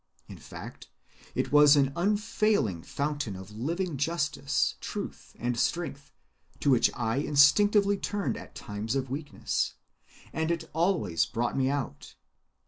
In fact, it was an unfailing fountain of living justice, truth, and strength, to which I instinctively turned at times of weakness, and it always brought me out.